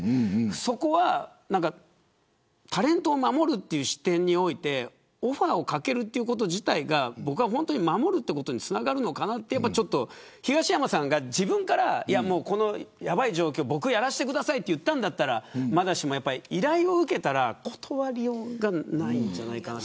そこはタレントを守るという視点においてオファーをかけるということ自体が本当に守るということにつながるのかなって東山さんが自分からやばい状況なので僕がやらせてくださいと言ったんだったらまだしも依頼を受けたら、断りようがないんじゃないかなと。